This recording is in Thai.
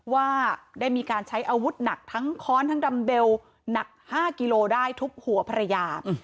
ว่าได้มีการใช้อาวุธหนักทั้งค้อนทั้งดำเบลหนัก๕กิโลได้ทุบหัวภรรยา